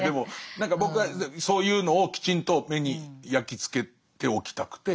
何か僕はそういうのをきちんと目に焼き付けておきたくて。